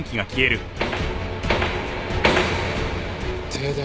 停電？